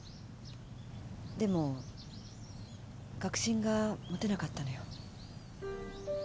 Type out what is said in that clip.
でも確信が持てなかったのよ。